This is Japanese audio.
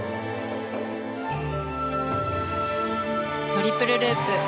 トリプルループ。